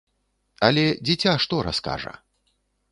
Але дзіця што раскажа?